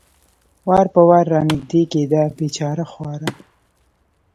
وار په وار را نږدې کېده، بېچاره خورا.